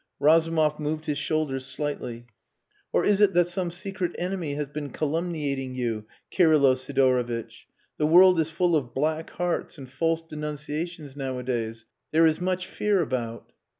Razumov moved his shoulders slightly. "Or is it that some secret enemy has been calumniating you, Kirylo Sidorovitch? The world is full of black hearts and false denunciations nowadays. There is much fear about."